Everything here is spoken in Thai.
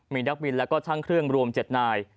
มีนักบินและก็ช่างเครื่องรวม๗นาย